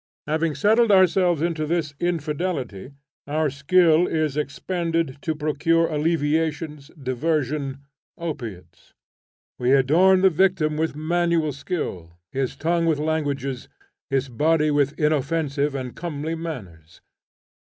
Having settled ourselves into this infidelity, our skill is expended to procure alleviations, diversion, opiates. We adorn the victim with manual skill, his tongue with languages, his body with inoffensive and comely manners.